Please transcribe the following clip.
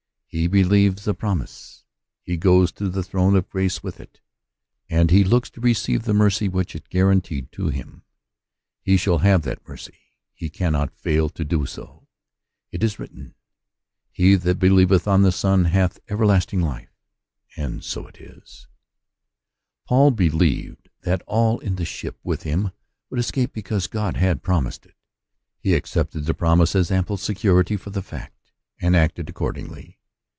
He believes the promise, he goes to the throne of grace with it, and he looks to receive the mercy which it guaranteed to him. He shall have that mercy ; he cannot fail to do so. It is written, "He that believeth on the Son bs^tb everlasting life; and so it is. 98 According to the Promise. Paul believed that all in the ship with him wou escape because God had promised it. He accept^^ the promise as ample security for the fact, and acte^ '^ accordingly.